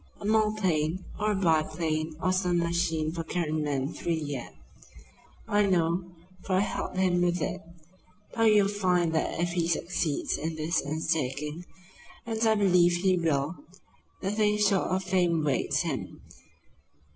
A monoplane, or a biplane, or some machine for carrying men through the air. I know, for I helped him with it. But you'll find that if he succeeds in this undertaking, and I believe he will, nothing short of fame awaits him.